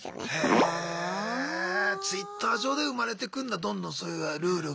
へぇＴｗｉｔｔｅｒ上で生まれてくんだどんどんそういうルールが。